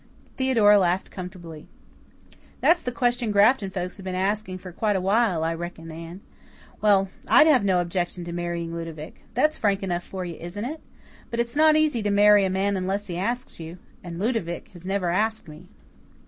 Theodora laughed comfortably. "That's the question Grafton folks have been asking for quite a while, I reckon, Anne. Well, I'd have no objection to marrying Ludovic. That's frank enough for you, isn't it? But it's not easy to marry a man unless he asks you. And Ludovic has never asked me."